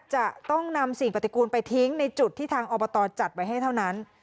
จะต้องนำสิ่งปฏิกูลไปทิ้งในจุดที่ทางอบตจัดไว้ให้เท่านั้น